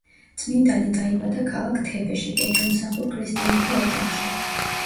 წმინდანი დაიბადა ქალაქ თებეში, კეთილმსახურ ქრისტიანთა ოჯახში.